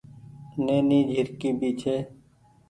نيني جهرڪي ڀي ڇي۔